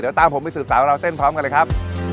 เดี๋ยวตามผมไปสืบสาวราวเส้นพร้อมกันเลยครับ